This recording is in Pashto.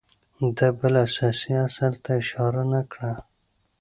ده بل اساسي اصل ته اشاره نه کړه